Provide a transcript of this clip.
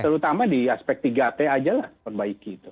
terutama di aspek tiga t aja lah perbaiki itu